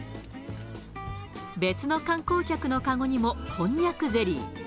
別の観光客の籠にもこんにゃくゼリー。